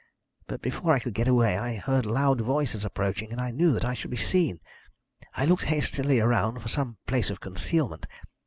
But before I could get away I heard loud voices approaching, and I knew I should be seen. I looked hastily around for some place of concealment.